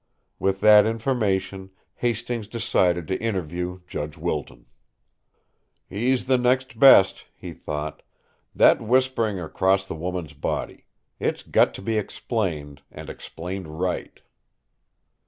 With that information, Hastings decided to interview Judge Wilton. "He's the next best," he thought. "That whispering across the woman's body it's got to be explained, and explained right!"